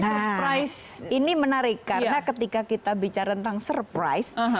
nah price ini menarik karena ketika kita bicara tentang surprise